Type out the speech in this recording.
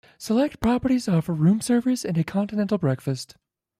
Selected properties offer room service and a continental breakfast.